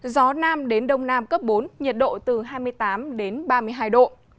gió nam đến đông nam cấp bốn nhiệt độ từ hai mươi tám đến ba mươi hai độ